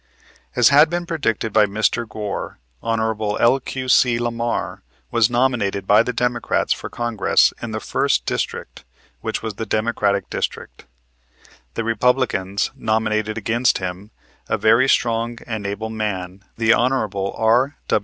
As had been predicted by Mr. Goar, Hon. L.Q.C. Lamar was nominated by the Democrats for Congress in the first district, which was the Democratic district. The Republicans nominated against him a very strong and able man, the Hon. R.